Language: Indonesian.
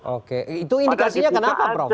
oke itu indikasinya kenapa prof